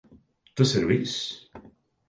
Tas ir viss?